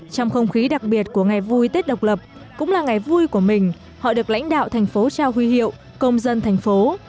trong không khí đặc biệt của ngày vui tết độc lập cũng là ngày vui của mình họ được lãnh đạo thành phố trao huy hiệu công dân thành phố